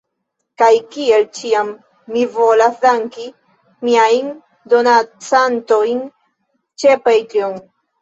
Kaj kiel ĉiam, mi volas danki miajn donacantojn ĉe Patreon.